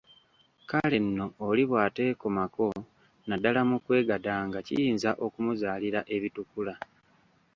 Kale nno oli bwateekomako naddala mu kwegadanga kiyinza okumuzaalira ebitukula.